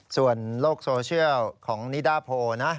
ส่วนโลกโซเชียลของนิดาโพลนะ